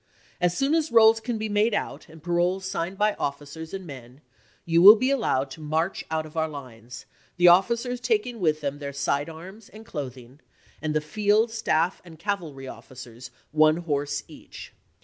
As soon as rolls can be made out, and paroles signed by officers and men, you will be allowed to march out of our lines, the officers taking with them their side arms and cloth ing, and the field, staff, and cavalry officers one horse each.